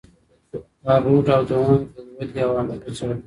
هارود او دومار د ودي عوامل وڅېړل.